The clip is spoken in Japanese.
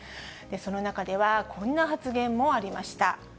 その中では、こんな発言もありました。